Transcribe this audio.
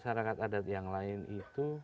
ada yang di tegalan ini